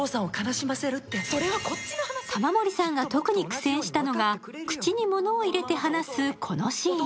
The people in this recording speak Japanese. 玉森さんが特に苦戦したのが口に物を入れて話すこのシーン。